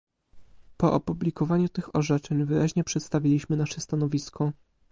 Po opublikowaniu tych orzeczeń wyraźnie przedstawiliśmy nasze stanowisko